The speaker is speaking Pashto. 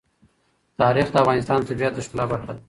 تاریخ د افغانستان د طبیعت د ښکلا برخه ده.